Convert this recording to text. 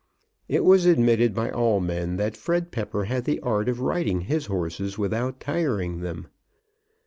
It was admitted by all men that Fred Pepper had the art of riding his horses without tiring them.